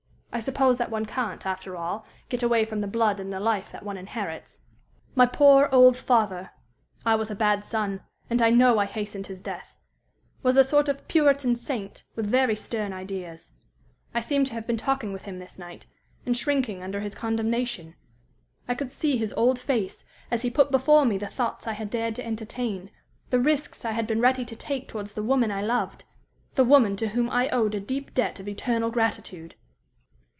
I suppose that one can't, after all, get away from the blood and the life that one inherits. My poor, old father I was a bad son, and I know I hastened his death was a sort of Puritan saint, with very stern ideas. I seem to have been talking with him this night, and shrinking under his condemnation. I could see his old face, as he put before me the thoughts I had dared to entertain, the risks I had been ready to take towards the woman I loved the woman to whom I owed a deep debt of eternal gratitude.